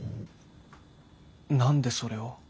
何でそれを？